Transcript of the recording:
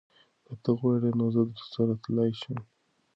که ته وغواړې نو زه درسره تلی شم.